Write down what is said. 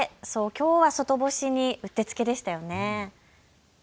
きょうは外干しにうってつけでしたよね。